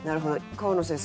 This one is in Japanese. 川野先生